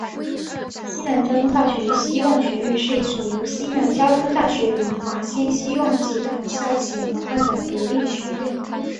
西南交通大学希望学院是一所由西南交通大学与华西希望集团校企合办的独立学院。